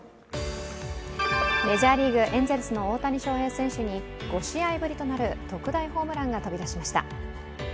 メジャーリーグ、エンゼルスの大谷翔平選手に５試合ぶりとなる特大ホームランが飛び出しました。